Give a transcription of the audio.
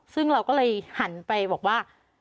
ซึ่งเราก็เลยหันไปบอกว่า